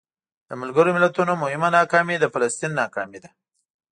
د ملګرو ملتونو مهمه ناکامي د فلسطین ناکامي ده.